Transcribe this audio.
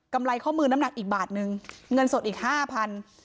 กำไรข้อมือน้ำหนักอีกบาทนึงเงินสดอีก๕๐๐๐บาท